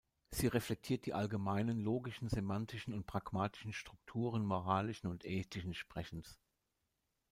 Sie reflektiert die allgemeinen logischen, semantischen und pragmatischen Strukturen moralischen und ethischen Sprechens.